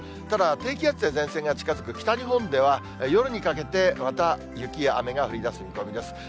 ただ、低気圧や前線が近づく北日本では、夜にかけてまた、雪や雨が降りだす見込みです。